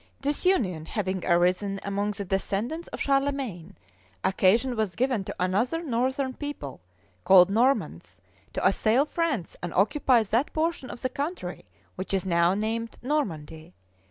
Disunion having arisen among the descendants of Charlemagne, occasion was given to another northern people, called Normans, to assail France and occupy that portion of the country which is now named Normandy.